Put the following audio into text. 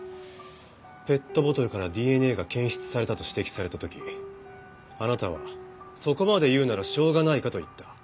ペットボトルからＤＮＡが検出されたと指摘された時あなたは「そこまで言うならしょうがないか」と言った。